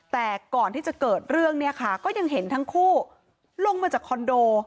แต่ก่อนที่จะเกิดเรื่องเนี่ยค่ะก็ยังเห็นทั้งคู่ลงมาจากคอนโด